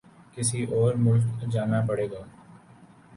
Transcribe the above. کسی اور ملک جانا پڑے گا